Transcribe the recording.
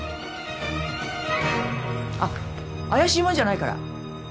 あっ怪しいもんじゃないから。